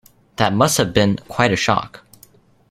That must have been quite a shock.